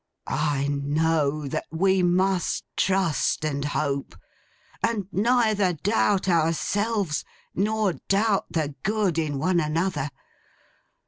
I know that we must trust and hope, and neither doubt ourselves, nor doubt the good in one another.